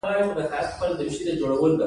دا کار په تصوري توګه او خلاق تخیل کوو.